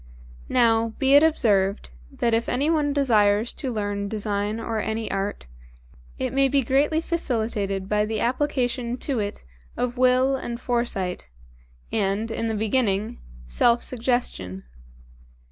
Now, be it observed, that if anyone desires to learn design or any art, it may be greatly facilitated by the application to it of Will and Foresight, and in the beginning, Self Suggestion.